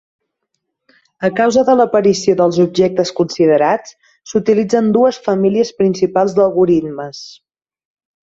A causa de l'aparició dels objectes considerats, s'utilitzen dues famílies principals d'algoritmes.